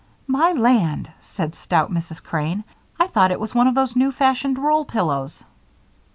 "My land!" said stout Mrs. Crane. "I thought it was one of those new fashioned roll pillows."